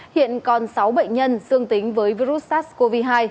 hiện còn sáu bệnh nhân dương tính với virus sars cov hai